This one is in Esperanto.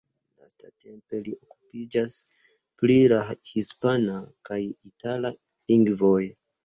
Lastatempe li okupiĝas pri la hispana kaj itala lingvoj.